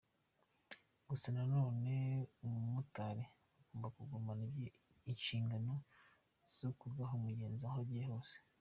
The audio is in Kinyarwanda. Gusa nanone umumotari agomba kugumana inshingano zo kugaha umugenzi aho agiye hose”.